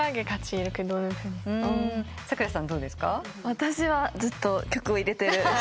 私はずっと曲を入れてる。